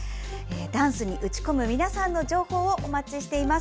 ダンスに打ち込む皆さんの情報をお待ちしています。